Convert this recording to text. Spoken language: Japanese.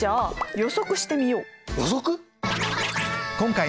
予測？